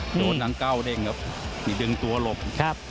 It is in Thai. โดดนางเก้าเด้งครับไหนดึงตัวลบ